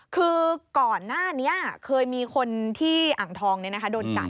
คือก่อนหน้านี้เคยมีคนที่อ่างทองโดนกัด